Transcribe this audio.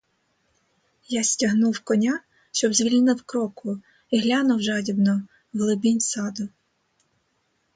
Я стягнув коня, щоб звільнив кроку, і глянув жадібно в глибінь саду.